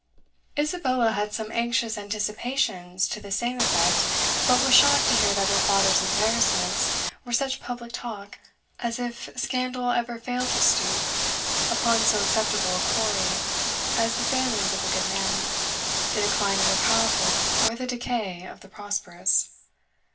Isabella had some anxious anticipations to the same effect, but was shocked to hear that her father's embarrassments were such public talk; as if scandal ever failed to stoop upon so acceptable a quarry as the failings of the good man, the decline of the powerful, or the decay of the prosperous.